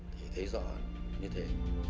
thì thấy rõ như thế